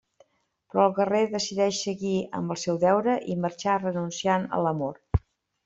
Però el guerrer decideix seguir amb el seu deure i marxar renunciant a l'amor.